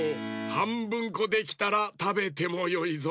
はんぶんこできたらたべてもよいぞ。